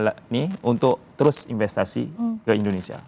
ini untuk terus investasi ke indonesia